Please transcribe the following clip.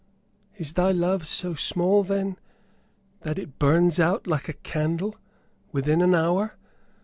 Is thy love so small, then, that it burns out like a candle, within an hour?